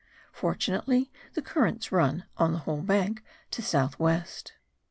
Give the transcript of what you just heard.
Fortunately the currents run on the whole bank to south west.